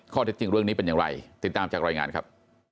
ข้อเท็จจริงเรื่องนี้เป็นอย่างไรติดตามจากรายงานครับ